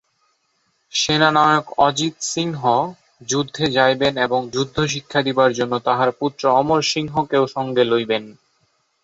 সেনানায়ক অজিতসিংহ যুদ্ধে যাইবেন এবং যুদ্ধশিক্ষা দিবার জন্য তাঁহার পুত্র অমরসিংহকেও সঙ্গে লইবেন।